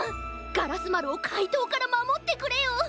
ガラスまるをかいとうからまもってくれよ。